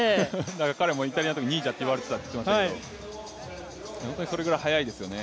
彼もイタリアにいるとき忍者って言われていたと言ってましたけど本当にそれぐらい速いですよね。